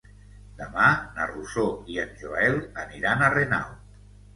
Demà na Rosó i en Joel aniran a Renau.